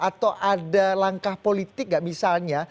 atau ada langkah politik nggak misalnya